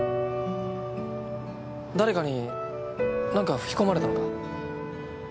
誰かに何か吹き込まれたのか？